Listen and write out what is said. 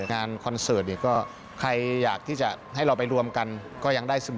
คอนเสิร์ตเนี่ยก็ใครอยากที่จะให้เราไปรวมกันก็ยังได้เสมอ